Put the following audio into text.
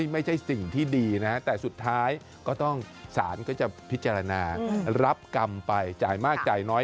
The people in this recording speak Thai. ไม่ใช่สิ่งที่ดีนะแต่สุดท้ายก็ต้องสารก็จะพิจารณารับกรรมไปจ่ายมากจ่ายน้อย